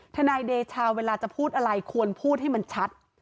ทนายเดชาเวลาจะพูดอะไรควรพูดให้มันชัด